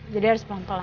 jadi harus pelan pelan